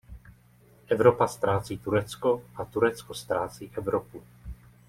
Evropa ztrácí Turecko a Turecko ztrácí Evropu.